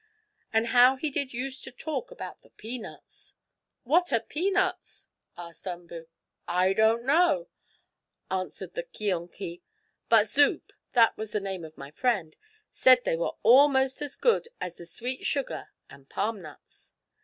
And how he did used to talk about the peanuts!" "What are peanuts?" asked Umboo. "I don't know," answered the keonkie, "but Zoop that the was the name of my friend said they were almost as good as the sweet sugar and palm nuts."